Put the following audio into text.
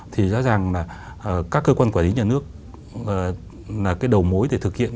thì rõ ràng là các cơ quan quản lý nhà nước là cái đầu mối để thực hiện